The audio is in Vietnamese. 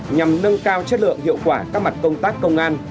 nhằm nâng cao chất lượng hiệu quả các mặt công tác công an